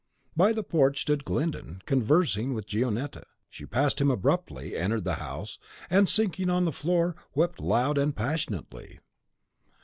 By the porch stood Glyndon, conversing with Gionetta. She passed him abruptly, entered the house, and, sinking on the floor, wept loud and passionately.